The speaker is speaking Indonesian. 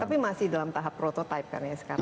tapi masih dalam tahap prototipe kan ya sekarang